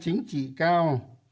chính trị cao